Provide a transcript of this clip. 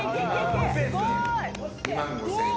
２万５，０００円。